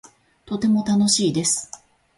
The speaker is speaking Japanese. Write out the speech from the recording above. とても楽しいです